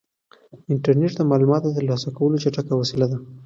انټرنيټ د معلوماتو د ترلاسه کولو چټکه وسیله ده.